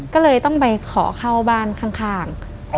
ก็เลยต้องไปขอเข้าบ้านข้าง